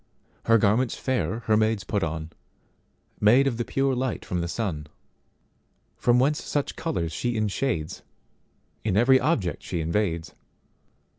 Her garments fair her maids put on, Made of the pure light from the sun, From whence such colours she inshadesIn every object she invades.